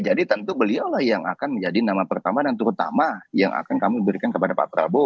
jadi tentu beliau yang akan menjadi nama pertama dan terutama yang akan kami berikan kepada pak prabowo gitu